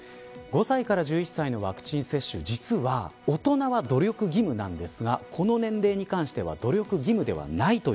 ５歳から１１歳のワクチン接種大人は努力義務ですがこの年齢に関しては努力義務ではない。